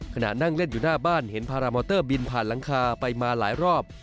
ขณะนั่งเล่นอยู่หน้าบ้านเห็นพารามอเตอร์บินผ่านหลังคาไปมาหลายรอบ